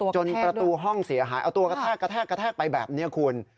จนประตูห้องเสียหายเอาตัวกระแทกไปแบบนี้คุณ